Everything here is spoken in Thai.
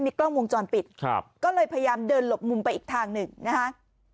กล้องวงจรปิดครับก็เลยพยายามเดินหลบมุมไปอีกทางหนึ่งนะฮะ